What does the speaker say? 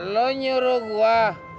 lu nyuruh gua